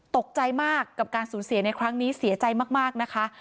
ตกใจมากกับการสูญเสียในครั้งนี้เสียใจมากนะคะ